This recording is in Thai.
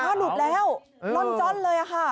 หลุดแล้วล่อนจ้อนเลยค่ะ